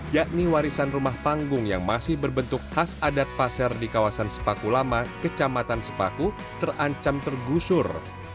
yakni warisan rumah panggung yang masih berbentuk khas adat pasar di kawasan sepaku lama kecamatan sepaku terancam tergusur